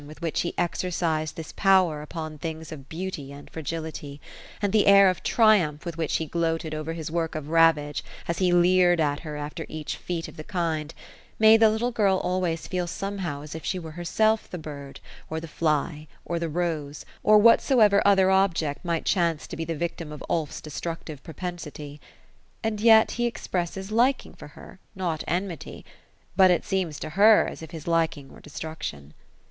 203 with which he exercised this power upon things of beauty and fragility ^ and the air of trium] h with which he gloated over his work of ravage as he leered at her after each feat of the kind, made the little girl always feel somehow as if she were herself the bird, or the fly, or the rose, or whatsoever other object might chance to be the victim of Ulf's destruc tive propensity. And yet, be expresses liking for her, not enmity ; but it seems to her as if his liking were destruction.